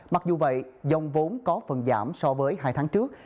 mặc dù vậy dòng vốn có phần giảm so với hai tháng trước